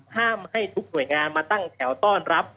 ห้ามให้ทุกหน่วยงานมาตั้งแถวต้อนรับ